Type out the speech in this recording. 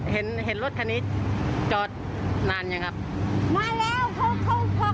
เห็นเห็นรถคันนี้จอดนานอย่างครับมาแล้วเขาเขาก็เปิดประตูมา